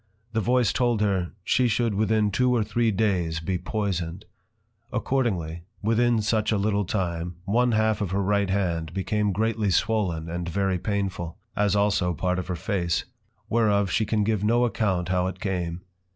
The voice told her, she should within two or three days be poisoned. Accordingly, within such a little time, one half of her right hand, became greatly swollen, and very painful; as also part of her Face; whereof she can give no account how it came.